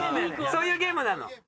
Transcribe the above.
そういうゲームなの。